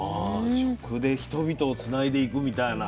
食で人々をつないでいくみたいな。